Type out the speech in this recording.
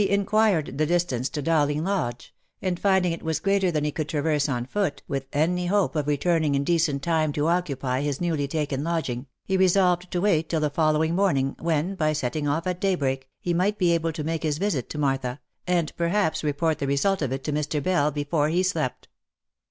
335 inquired the distance to Dowling Lodge, and finding it was greater than he could traverse on foot with any hope of returning in decent time to occupy his newly taken lodging, he resolved to wait till the following morning, when, by setting off at daybreak, he might be able to make his visit to Martha, and perhaps report the result of it to Mr. Bell, before he slept.